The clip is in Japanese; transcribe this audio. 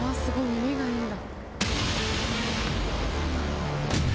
耳がいいんだ。